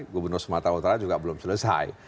gubernur sumatera utara juga belum selesai